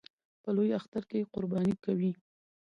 په لوی اختر کې قرباني کوي